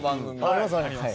ありますあります。